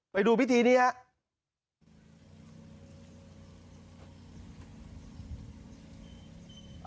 ไปดูพิธีนี้ครับ